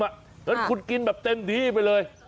แล้วคุณกินแบบเต็มดีไปเลย